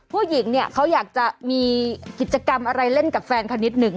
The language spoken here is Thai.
ผู้หญิงเนี่ยเขาอยากจะมีกิจกรรมอะไรเล่นกับแฟนเขานิดหนึ่ง